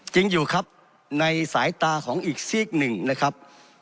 จริงอยู่ครับในสายตาของอีกซีกหนึ่งนะครับ